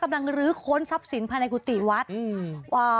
กำลังลื้อโค้นทรัพย์สินพาณกุฏิวัฒน์